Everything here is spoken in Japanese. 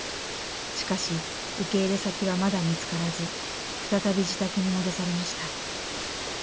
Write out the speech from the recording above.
しかし受け入れ先はまだ見つからず再び自宅に戻されました。